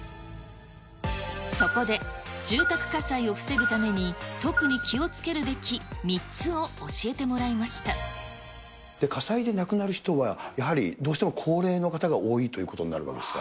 そこで、住宅火災を防ぐために、特に気をつけるべき３つを教えてもらいま火災で亡くなる人は、やはりどうしても高齢の方が多いということになるわけですか。